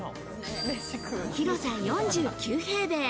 広さ４９平米。